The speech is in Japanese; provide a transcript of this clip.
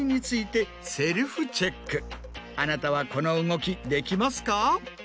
あなたはこの動きできますか？